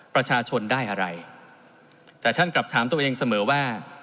ประชาชนได้อะไรแต่ท่านกลับถามตัวเองเสมอว่า